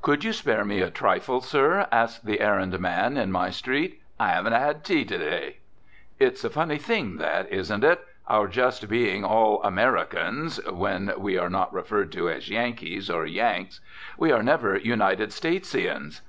"Could you spare me a trifle, sir?" asked the errand man in my street. "I haven't had tea today." It's a funny thing, that; isn't it? our just being all "Americans" (when we are not referred to as "Yankees" or "Yanks"). We are never United Statesians.